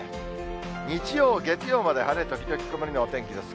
日曜、月曜まで晴れ時々曇りのお天気です。